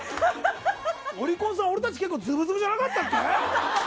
オリコンさん、俺たちずぶずぶじゃなかったっけ？